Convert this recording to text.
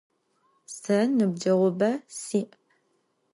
Se nıbceğube si'.